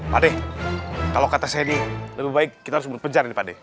pak de kalau kata saya ini lebih baik kita harus berbuncang ini pak de